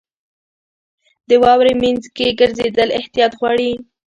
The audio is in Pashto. • د واورې مینځ کې ګرځېدل احتیاط غواړي.